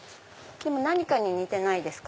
何かに似てないですか？